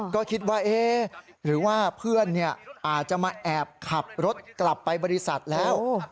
ก็คิดว่าเอ๊ะหรือว่าเพื่อนอาจจะมาแอบขับรถกลับไปบริษัทแล้ว